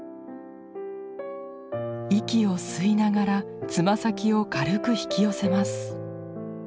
息を吸いながらつま先を軽く引き寄せます。